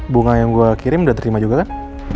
bunga yang gue kirim udah terima juga kan